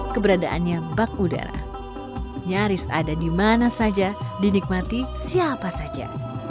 keberadaannya bak udara nyaris ada di mana saja dinikmati siapa saja